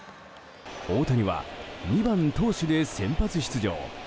大谷は、２番投手で先発出場。